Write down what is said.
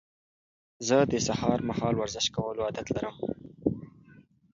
زه د سهار مهال ورزش کولو عادت لرم.